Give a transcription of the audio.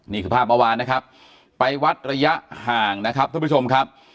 นี่คือภาพเมื่อวานนะครับไปวัดระยะห่างนะครับท่านผู้ชมครับ